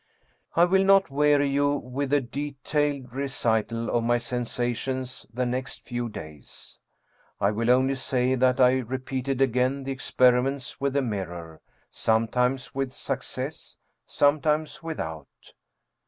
I will not weary you with a detailed recital of my sensa tions the next few days. I will only say that I repeated again the experiments with the mirror, sometimes with success, sometimes without.